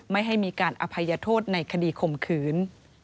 ไม่ให้มีการอภัยโทษในคดีข่มขืน